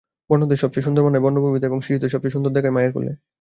বন্যদের সবচেয়ে সুন্দর মানায় বনভূমিতে এবং শিশুদের সবচেয়ে সুন্দর দেখায় মায়ের কোলে।